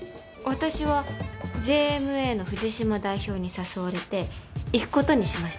私はＪＭＡの藤島代表に誘われて行くことにしました。